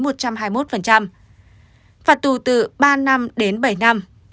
phạt tù từ ba năm đến bảy năm